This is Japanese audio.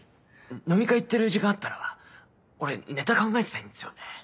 飲み会行ってる時間あったら俺ネタ考えてたいんですよね。